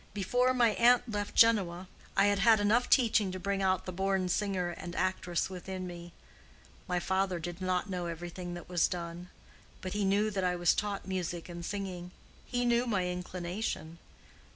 Before my aunt left Genoa, I had had enough teaching to bring out the born singer and actress within me: my father did not know everything that was done; but he knew that I was taught music and singing—he knew my inclination.